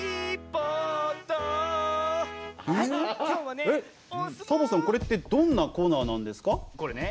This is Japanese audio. サボさん、これってどんなコーナーなんですか？